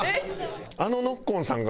あのノッコンさんか？